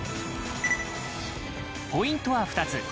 ポイントは２つ。